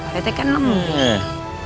ketek kan lemah